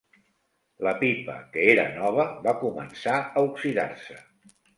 La pipa, que era nova, va començar a oxidar-se.